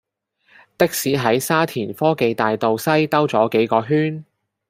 的士喺沙田科技大道西兜左幾個圈